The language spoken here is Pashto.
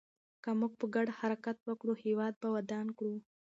که موږ په ګډه حرکت وکړو، هېواد به ودان کړو.